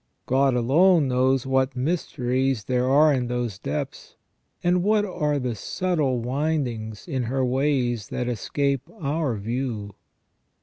God alone knows what mysteries there are in those depths, and what are the subtle windings in her ways that escape our view.